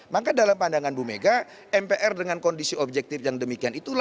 maka dalam pandangan bu mega mpr dengan kondisi objektif yang demikian itu tidak akan terpilih